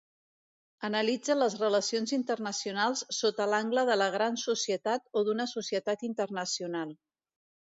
Analitza les relacions internacionals sota l'angle de la Gran Societat o d'una societat internacional.